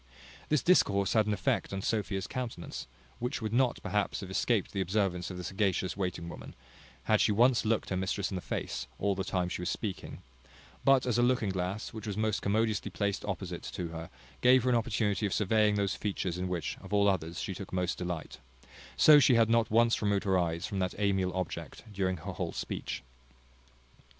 This discourse had an effect on Sophia's countenance, which would not perhaps have escaped the observance of the sagacious waiting woman, had she once looked her mistress in the face, all the time she was speaking: but as a looking glass, which was most commodiously placed opposite to her, gave her an opportunity of surveying those features, in which, of all others, she took most delight; so she had not once removed her eyes from that amiable object during her whole speech.